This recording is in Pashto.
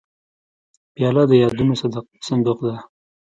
پیاله د یادونو صندوق ده.